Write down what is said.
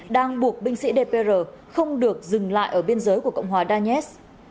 đang buộc binh sĩ dpr không được dừng lại ở biên giới của cộng hòa danets